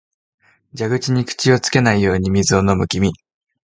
蛇口に口をつけないように水を飲む君、